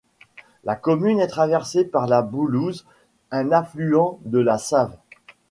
La commune est traversée par la Boulouze un affluent de la Save.